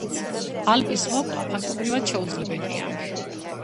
ალპის მოკვლა, ფაქტობრივად, შეუძლებელია.